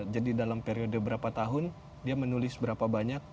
dalam periode berapa tahun dia menulis berapa banyak